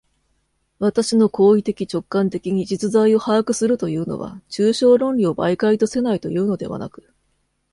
私の行為的直観的に実在を把握するというのは、抽象論理を媒介とせないというのではなく、